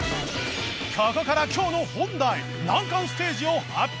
ここから今日の本題難関ステージを発表！